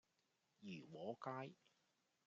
怡和街